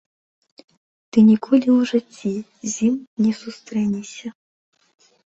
Ты ніколі ў жыцці з імі не сустрэнешся.